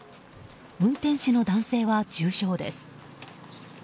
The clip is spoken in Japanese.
運転手の男性は重傷です。